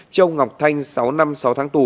châu ngọc thanh sáu năm sáu tháng tù